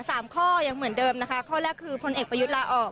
ข้อยังเหมือนเดิมนะคะข้อแรกคือพลเอกประยุทธ์ลาออก